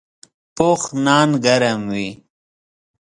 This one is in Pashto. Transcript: پوخ نان ګرم وي